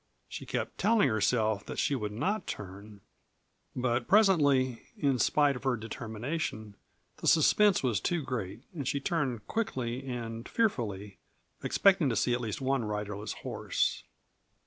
She kept telling herself that she would not turn, but presently, in spite of her determination, the suspense was too great, and she turned quickly and fearfully, expecting to see at least one riderless horse.